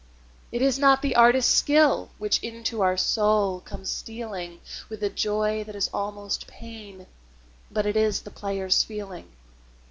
It is not the artist's skill which into our soul comes stealing With a joy that is almost pain, but it is the player's feeling.